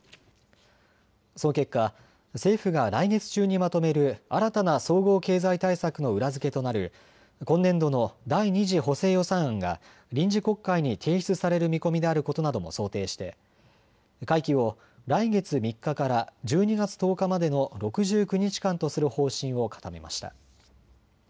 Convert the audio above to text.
その結果、政府が来月中にまとめる新たな総合経済対策の裏付けとなる今年度の第２次補正予算案が臨時国会に提出される見込みであることなども想定して会期を来月３日から１２月１０日までの６９日間とする方針を固めました。